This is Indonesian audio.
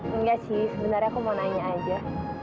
enggak sih sebenarnya aku mau nanya aja